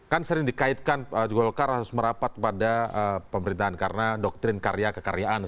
kan sering dikaitkan golkar harus merapat pada pemerintahan karena doktrin karya kekaryaan